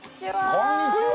こんにちは。